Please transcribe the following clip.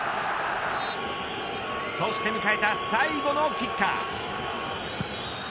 そして迎えた最後のキッカー。